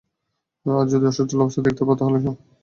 আর যদি অসচ্ছল অবস্থা দেখতে পাও তাহলে এই দিনারগুলো দিয়ে আসবে।